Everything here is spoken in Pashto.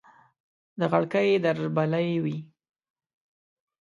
د غړکې دربلۍ وي